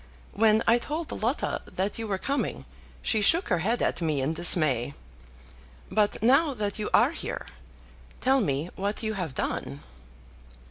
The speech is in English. When I told Lotta that you were coming, she shook her head at me in dismay. But now that you are here, tell me what you have done."